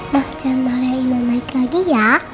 mam jangan marahin om may lagi ya